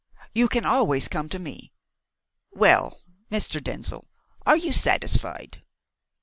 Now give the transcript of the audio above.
"You can always come to me. Well, Mr. Denzil, are you satisfied?"